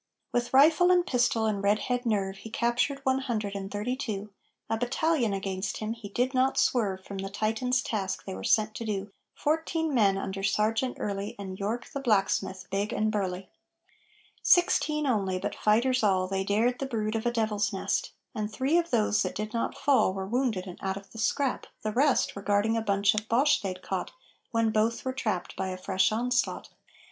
With rifle and pistol and redhead nerve He captured one hundred and thirty two; A battalion against him, he did not swerve From the Titans' task they were sent to do Fourteen men under Sergeant Early And York, the blacksmith, big and burly. Sixteen only, but fighters all, They dared the brood of a devil's nest, And three of those that did not fall Were wounded and out of the scrap; the rest Were guarding a bunch of Boche they'd caught, When both were trapped by a fresh onslaught.